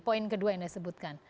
poin kedua yang anda sebutkan